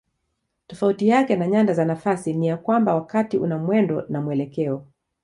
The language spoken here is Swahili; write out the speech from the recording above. Tofauti yake na nyanda za nafasi ni ya kwamba wakati una mwendo na mwelekeo.